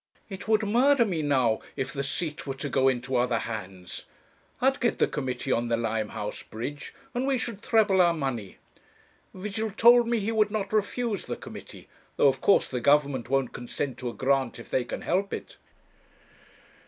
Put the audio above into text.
It would murder me now if the seat were to go into other hands. I'd get the Committee on the Limehouse Bridge, and we should treble our money. Vigil told me he would not refuse the Committee, though of course the Government won't consent to a grant if they can help it.'